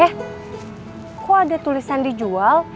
emang gak ada tulisan di jual